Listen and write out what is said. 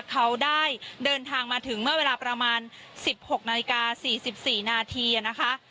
เขาได้เดินทางมาถึงเมื่อเวลาประมาณ๑๖นาฬิกา๔๔นาทีนะคะ